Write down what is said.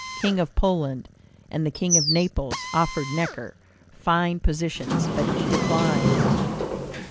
King of Poland, and the King of Naples, offered Necker fine positions, but he declined.